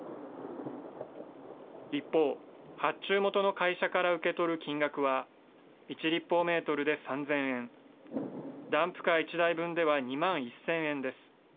一方、発注元の会社から受け取る金額は、１立方メートルで３０００円、ダンプカー１台分では２万１０００円です。